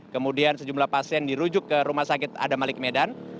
kemudian sejumlah pasien dirujuk ke rumah sakit adamalik medan